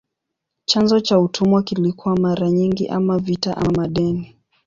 Chanzo cha utumwa kilikuwa mara nyingi ama vita ama madeni.